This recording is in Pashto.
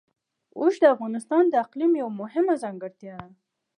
اوښ د افغانستان د اقلیم یوه مهمه ځانګړتیا ده.